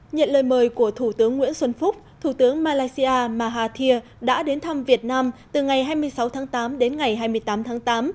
nhận lời mời của thủ tướng nguyễn xuân phúc thủ tướng malaysia mahathir đã đến thăm việt nam từ ngày hai mươi sáu tháng tám đến ngày hai mươi tám tháng tám